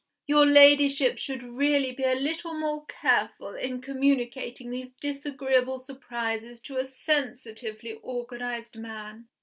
Your Ladyship should really be a little more careful in communicating these disagreeable surprises to a sensitively organised man.